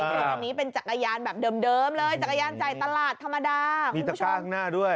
อันนี้เป็นจักรยานแบบเดิมเดิมเลยจักรยานใจตลาดธรรมดามีตระกากหน้าด้วย